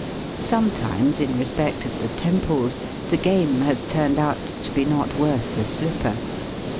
Sometimes, in respect of the temples, the game has turned out to be not worth the slipper.